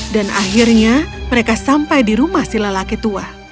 dan akhirnya mereka sampai di rumah si lelaki tua